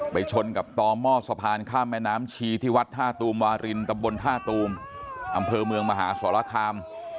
ชนกับต่อหม้อสะพานข้ามแม่น้ำชีที่วัดท่าตูมวารินตำบลท่าตูมอำเภอเมืองมหาสรคาม